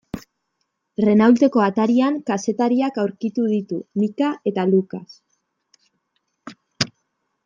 Renaulteko atarian kazetariak aurkitu ditu Micka eta Lucas.